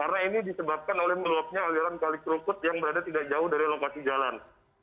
karena ini disebabkan oleh meluapnya aliran kali kerukut yang berada tidak jauh dari lokasi jalan